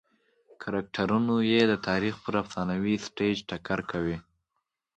کرکټرونه یې د تاریخ پر افسانوي سټېج ټکر کوي.